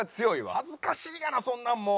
恥ずかしいがなそんなもんもう。